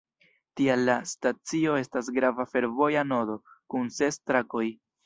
Tial la stacio estas grava fervoja nodo, kun ses trakoj.